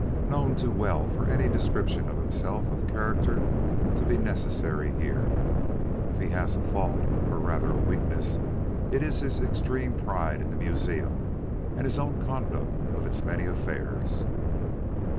Known too well for any description of himself or character to be necessary here. If he has a fault, or rather a weakness, it is his extreme pride in the museum and his own conduct of its many affairs.